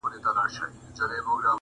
پر شب پرستو بدلګېږم ځکه.